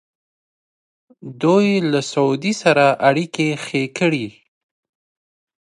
دوی له سعودي سره اړیکې ښې کړې.